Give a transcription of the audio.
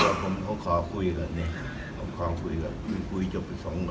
ขอข่อคุยกันครับขอขอคุยกันคุยคุยจบประสงค์หมด